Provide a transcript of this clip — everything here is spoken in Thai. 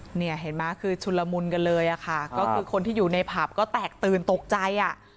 เห็นไหมคือชุระมุนกันเลยค่ะก็คือคนที่อยู่ในผับก็แตกตื่นตกใจ